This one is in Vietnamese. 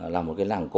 là một cái làng cổ